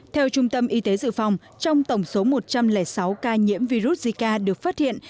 theo trung tâm y tế dự phòng trong tổng số một trăm linh sáu ca nhiễm virus zika được phát hiện